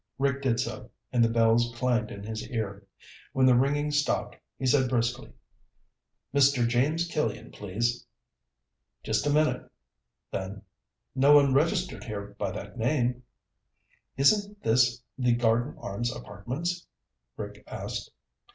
Rick did so, and the bells clanged in his ear. When the ringing stopped, he said briskly, "Mr. James Killian, please." "Just a minute." Then, "No one registered here by that name." "Isn't this the Garden Arms Apartments?" Rick asked.